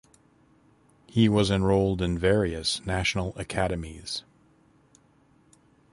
He was enrolled in various national academies.